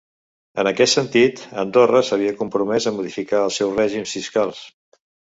En aquest sentit, Andorra s’havia compromès a modificar els seus règims fiscals.